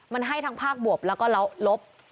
มันให้ทั้งภาคบวบแล้วก็ลบ